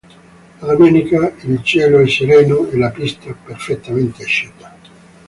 La domenica il cielo è sereno e la pista perfettamente asciutta.